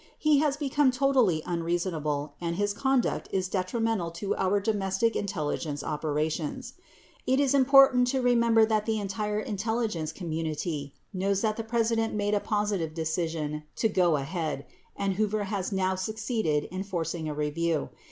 He has become totally unreasonable and his conduct is detri mental to our domestic intelligence operations ... It is important to remember that the entire intelligence community knows that the President made a positive decision to go ahead and Hoover has now succeeded in forcing a review.